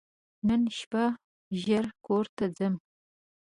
نن شپه ژر کور ته ځم !